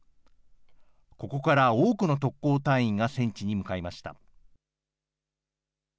ここから多くの特攻隊員が戦地に向かいました。